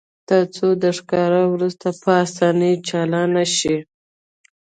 ترڅو د ښکار وروسته په اسانۍ چالان شي